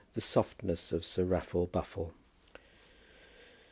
THE SOFTNESS OF SIR RAFFLE BUFFLE.